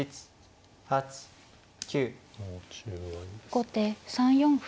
後手３四歩。